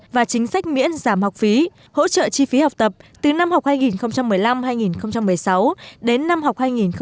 và chính sách miễn giảm học phí hỗ trợ chi phí học tập từ năm học hai nghìn một mươi năm hai nghìn một mươi sáu đến năm học hai nghìn hai mươi hai nghìn hai mươi